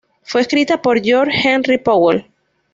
Fue escrita por George Henry Powell.